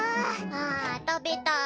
ああ食べた。